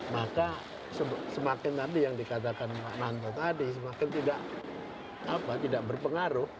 maka semakin tadi yang dikatakan pak nanto tadi semakin tidak berpengaruh